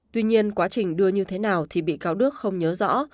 tuy nhiên quá trình đưa như thế nào thì bị cáo đức không nhớ rõ